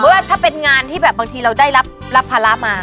ว่าถ้าเป็นงานที่แบบบางทีเราได้รับภาระมา